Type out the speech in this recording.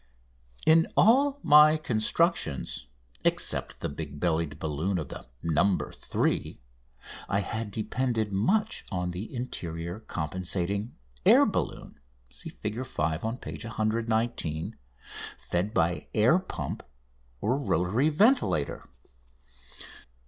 In all my constructions, except the big bellied balloon of the "No. 3," I had depended much on the interior compensating air balloon (Fig. 5, page 119) fed by air pump or rotary ventilator.